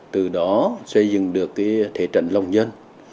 từ đó xây dựng được thể trận lòng dân